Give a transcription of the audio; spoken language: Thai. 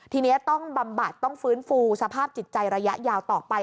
ทีนี้ต้องบำบัดต้องฟื้นฟูสภาพจิตใจระยะยาวต่อไป